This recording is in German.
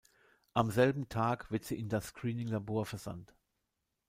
Am selben Tag wird sie in das Screening-Labor versandt.